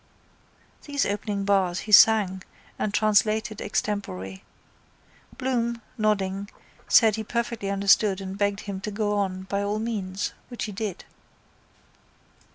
These opening bars he sang and translated extempore. Bloom, nodding, said he perfectly understood and begged him to go on by all means which he did.